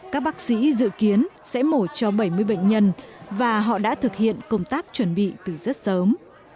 các bác sĩ dự kiến sẽ mổ cho bảy mươi bệnh nhân và họ đã thực hiện công tác chuẩn bị từ rất sớm